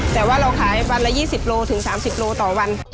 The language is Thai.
แต่ว่าเราขายวันละ๒๐โลถึง๓๐โลต่อวัน